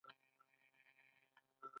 د ژبې باغ باید رنګارنګ وي.